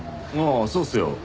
ああそうっすよ。